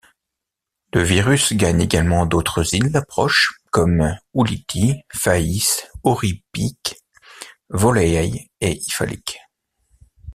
Le virus gagne également d'autres îles proches, comme Ulithi, Fais, Eauripik, Woleai et Ifalik.